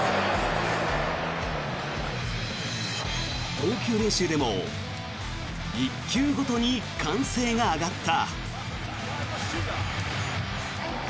投球練習でも１球ごとに歓声が上がった。